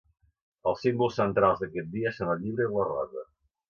Els símbols centrals d'aquest dia són el llibre i la rosa.